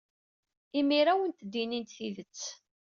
Imir-a ad awent-d-inint tidet.